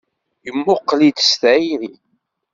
Yemmuqqel-itt s tayri.